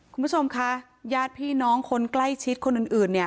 คุณผู้ชมคะญาติพี่น้องคนใกล้ชิดคนอื่นเนี่ย